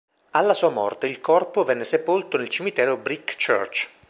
Alla sua morte il corpo venne sepolto nel cimitero Brick Church.